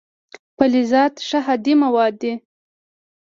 فلزات ښه هادي مواد دي.